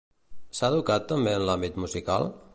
S'ha educat també en l'àmbit musical?